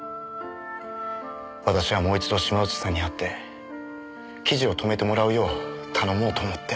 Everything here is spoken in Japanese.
私はもう一度島内さんに会って記事を止めてもらうよう頼もうと思って。